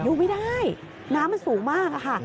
อยู่ไม่ได้น้ำสูงมากค่ะ